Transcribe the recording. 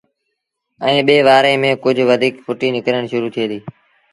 ائيٚݩ ٻي وآري ميݩ ڪجھ وڌيٚڪ ڦُٽيٚ نڪرڻ شرو ٿئي ديٚ